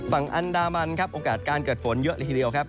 ฝั่งอันดามันครับโอกาสการเกิดฝนเยอะเลยทีเดียวครับ